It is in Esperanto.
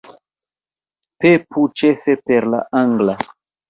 Pepu ĉefe per la angla